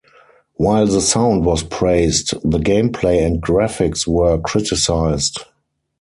While the sound was praised, the gameplay and graphics were criticized.